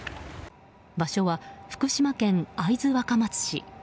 場所は福島県会津若松市。